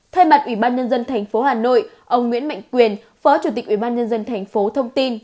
thay mặt ủy ban nhân dân thành phố hà nội ông nguyễn mạnh quyền phó chủ tịch ủy ban nhân dân thành phố thông tin